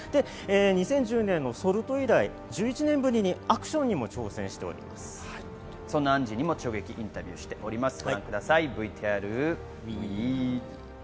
２０１０年の『ソルト』以来、１１年ぶりにアクションにも挑戦アンジーにも直撃インタビューしています、ＶＴＲＷＥ！